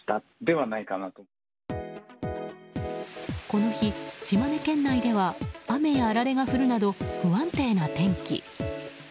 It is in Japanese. この日、島根県内では雨やあられが降るなど不安定な天気。